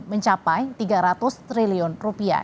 mencapai tiga ratus triliun rupiah